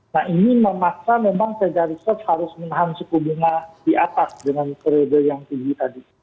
nah ini memaksa memang federa research harus menahan suku bunga di atas dengan periode yang tinggi tadi